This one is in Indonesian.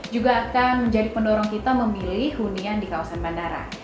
juga akan menjadi pendorong kita memilih hunian di kawasan bandara